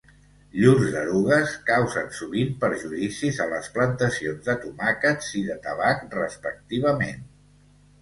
Llurs erugues causen sovint perjudicis a les plantacions de tomàquets i de tabac respectivament.